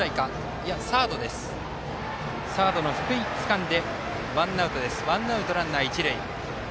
サード、福井、つかんでワンアウト、ランナー、一塁。